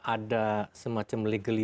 ada semacam legally